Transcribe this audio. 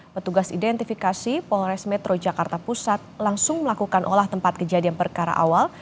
petugas identifikasi polres metro jakarta pusat langsung melakukan olah tempat kejadian perkara awal